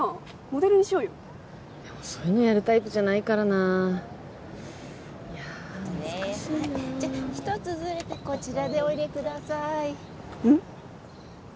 モデルにしようよでもそういうのやるタイプじゃないからなあいや難しいなあじゃあ一つずれてこちらでお入れくださいうん？